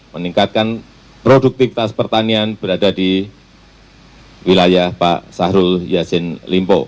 meningkatkan produktivitas pertanian berada di wilayah pak sahrul yassin limpo